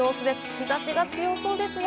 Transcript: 日差しが強そうですね。